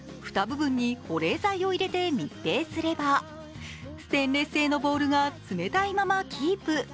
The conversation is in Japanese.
蓋部分に保冷剤を入れて密閉すればステンレス製のボウルが冷たいままキープ。